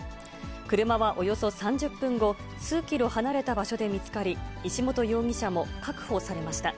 車はおよそ３０分後、数キロ離れた場所で見つかり、石本容疑者も確保されました。